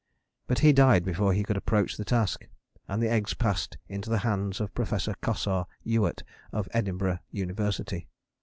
But he died before he could approach the task; and the eggs passed into the hands of Professor Cossar Ewart of Edinburgh University.